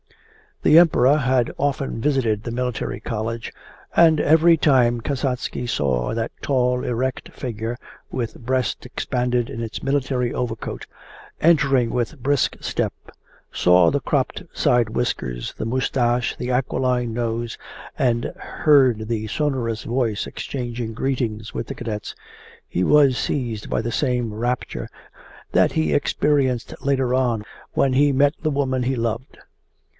The Emperor had often visited the Military College and every time Kasatsky saw that tall erect figure, with breast expanded in its military overcoat, entering with brisk step, saw the cropped side whiskers, the moustache, the aquiline nose, and heard the sonorous voice exchanging greetings with the cadets, he was seized by the same rapture that he experienced later on when he met the woman he loved.